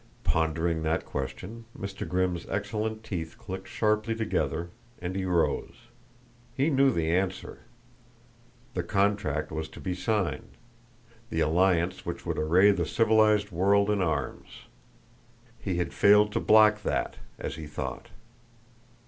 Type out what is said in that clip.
Pondering that question, Mr. Grimm's excellent teeth clicked sharply together and he rose. He knew the answer. The compact was to be signed the alliance which would array the civilized world in arms. He had failed to block that, as he thought.